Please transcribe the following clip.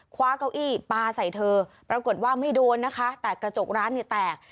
เก้าอี้ปลาใส่เธอปรากฏว่าไม่โดนนะคะแต่กระจกร้านเนี่ยแตก